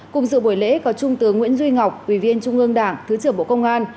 cùng dự buổi lễ có trung tướng nguyễn duy ngọc ủy viên trung ương đảng thứ trưởng bộ công an